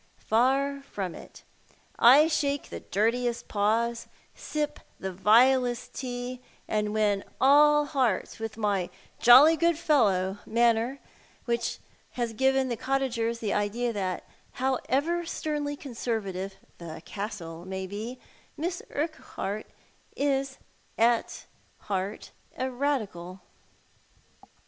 Par from it. I shake the dirtiest paws, sip the vilest tea, and win all hearts with my joliy good fellow manner, which has given the cottag<rs the idea that however sternly Conservative " The Castle " may be, IMiss Urquhart is at heart a Radical.